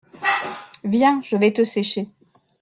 Viens, je vais te sécher.